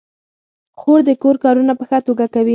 خور د کور کارونه په ښه توګه کوي.